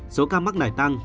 số ca mắc này tăng